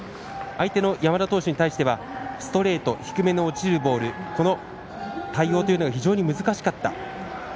相手の山田投手に対してはストレート、低めの落ちるボールこの対応というのが非常に難しかった。